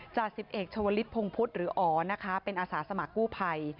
จากสิบเอกชาวลิศพงพุทธหรืออ๋อนะคะเป็นอาสาสมัครกู้ภัย